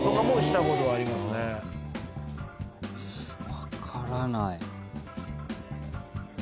分からない。